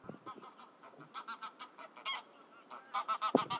Jose Chameleone aliwahi kuwepo kwenye orodha ya Wanamuziki matajiri Afrika akiwa ni